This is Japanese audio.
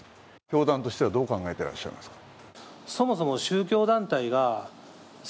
教団としてはどう考えていらっしゃいますか。